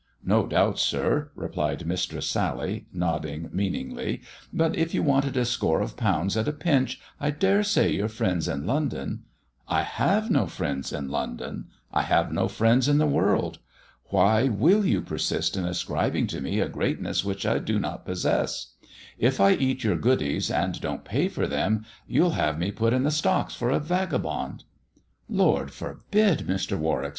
No doubt, sir," replied Mistress Sally, nodding mean ingly, " but if you wanted a score of pounds at a pinch, I dare say your friends in London "" I have no friends in London — I have no friends in the world. Why will you persist in ascribing to me a greatness which I do not possess ] If I eat your goodies and don't pay for them, you'll have me put in the stocks for a vagabond." " Lord forbid, Mr. Warwick